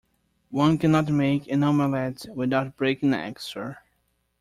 One cannot make an omelette without breaking eggs, sir.